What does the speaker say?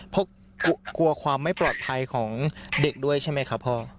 เพราะกลัวความไม่ปลอดภัยของเด็กด้วยใช่ไหมครับพ่อ